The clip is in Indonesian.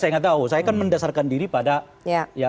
saya nggak tahu saya kan mendasarkan diri pada ya